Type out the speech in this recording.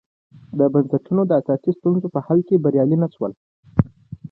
د بنسټونو د اساسي ستونزو په حل کې بریالي نه شول.